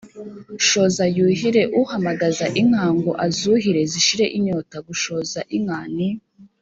shoza yuhire: uhamagaza inka ngo azuhire zishire inyota gushoza inka ni